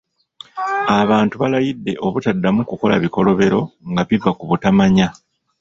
Abantu balayidde obutaddamu kukola bikolobero nga biva ku butamanya.